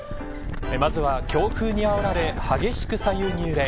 まずは、強風にあおられ激しく左右に揺れ